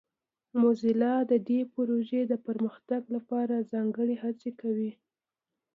موزیلا د دې پروژې د پرمختګ لپاره ځانګړې هڅې کوي.